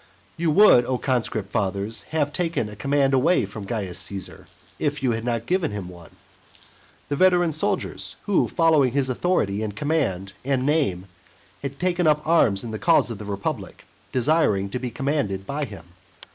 You would, O conscript fathers, have taken a command away from Caius Caesar, if you had not given him one. The veteran soldiers, who, following his authority and command and name, had taken up arms in the cause of the republic, desired to be commanded by him.